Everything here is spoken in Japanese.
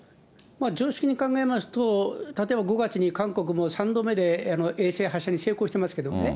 常識に考えますと、例えば５月に韓国も３度目で衛星発射に成功してますけどね。